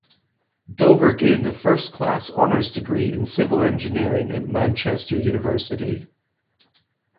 Dover gained a First Class Honours degree in Civil Engineering at Manchester University.